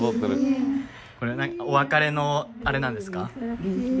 これお別れのあれなんですか？